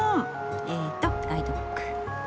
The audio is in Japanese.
えとガイドブック。